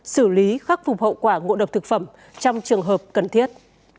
xử lý khắc phục hậu quả ngộ độc thực phẩm trong trường hợp cần thiết